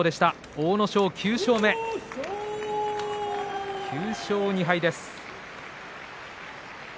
阿武咲、９勝目９勝２敗です。